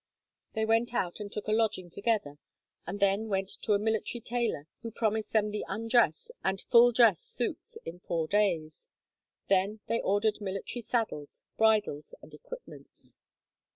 They went out and took a lodging together, and then went to a military tailor, who promised them their undress and full dress suits in four days. Then they ordered military saddles, bridles, and equipments.